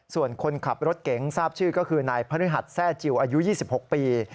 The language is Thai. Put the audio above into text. ส่วนคนขับรถเก๋งทราบชื่อก็คือนายพฤหัสแทร่จิลอายุ๒๖ปี